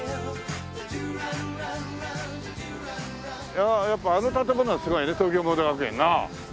いやあやっぱりあの建物はすごいね東京モード学園なあ。